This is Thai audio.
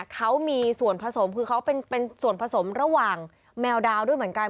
เขามีส่วนผสมคือเขาเป็นส่วนผสมระหว่างแมวดาวด้วยเหมือนกัน